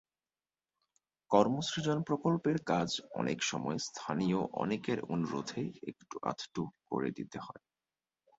কর্মসৃজন প্রকল্পের কাজ অনেক সময় স্থানীয় অনেকের অনুরোধে একটু-আধটু করে দিতে হয়।